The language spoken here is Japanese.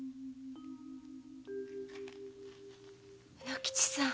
卯之吉さん。